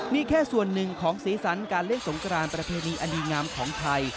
นี่แค่ส่วนหนึ่งของสีสันการเล่นสงกรานประเพณีอดีตงามของไทย